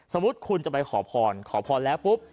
สมมุติคุณจะไปขอพรขอพรแล้วปุ๊บ